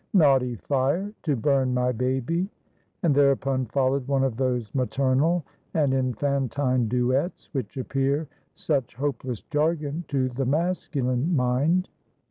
Naughty fire, to burn my baby." And thereupon followed one of those maternal and infantine duets, which appear such hopeless jargon to the masculine mind.